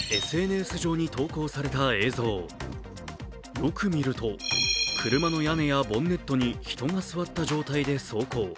よく見ると、車の屋根やボンネットに人が座った状態で走行。